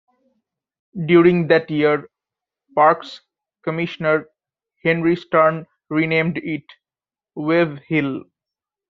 During that year, Parks Commissioner Henry Stern renamed it, Wave Hill.